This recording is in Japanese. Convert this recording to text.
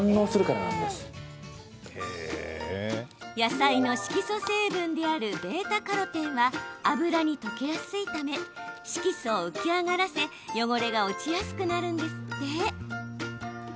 野菜の色素成分であるβ−カロテンは油に溶けやすいため色素を浮き上がらせ汚れが落ちやすくなるんですって。